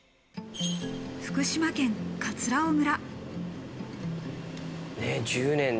福島県葛尾村。